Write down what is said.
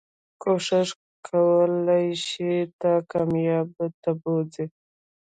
کوښښ کولی شي تا کاميابی ته بوځي